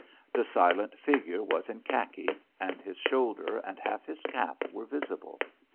The silent figure was in khaki, and his shoulder and half his cap were visible.